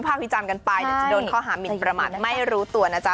วิจารณ์กันไปเดี๋ยวจะโดนข้อหามินประมาทไม่รู้ตัวนะจ๊ะ